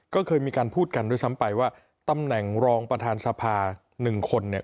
ก็เคยมีการพูดกันด้วยซ้ำไปว่าตำแหน่งรองประธานสภาหนึ่งคนเนี่ย